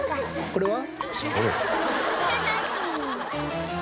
これは？